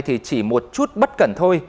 thì chỉ một chút bất cẩn thôi